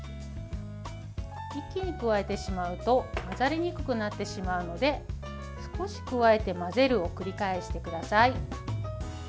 一気に加えてしまうと混ざりにくくなってしまうので少し加えて混ぜるを繰り返してください。